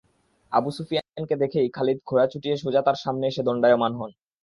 আবু সুফিয়ানকে দেখেই খালিদ ঘোড়া ছুটিয়ে সোজা তার সামনে এসে দণ্ডায়মান হন।